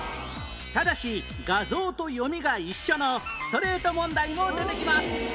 ただし画像と読みが一緒のストレート問題も出てきます